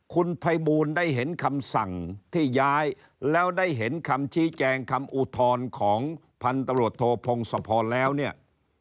คุณภัยบูลได้เห็นคำสั่งที่ย้ายแล้วได้เห็นคำชี้แจงคำอุทธรณ์ของพันธุ์ตำรวจโทพงศพรแล้วเนี่ย